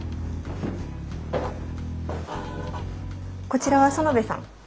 こちらは薗部さん。